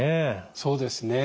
そうですね。